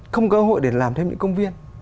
không cơ hội để làm thêm những công viên